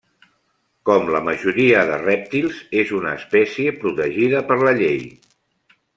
Com la majoria de rèptils, és una espècie protegida per la llei.